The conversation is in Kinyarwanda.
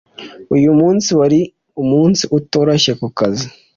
Uyu munsi wari umunsi utoroshye ku kazi